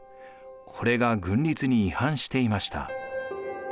これが軍律に違反していました。